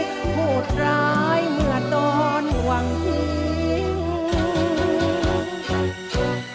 พูดร้ายเมื่อตอนหวังทิ้ง